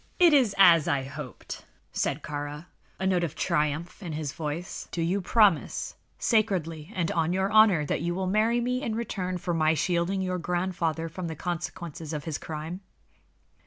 "It is as I hoped," said Kāra, a note of triumph in his voice. "Do you promise, sacredly and on your honor, that you will marry me in return for my shielding your grandfather from the consequences of his crime?"